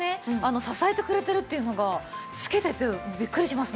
支えてくれてるっていうのが着けててびっくりしますね。